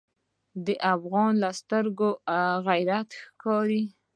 د افغان له سترګو غیرت ښکاري.